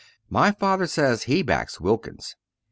My father says he backs Wilkins."